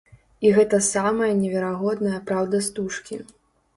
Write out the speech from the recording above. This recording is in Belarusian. І гэта самая неверагодная праўда стужкі.